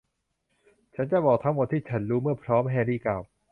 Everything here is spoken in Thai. ฉันจะบอกทั้งหมดที่ฉันรู้เมื่อพร้อม แฮร์รี่กล่าว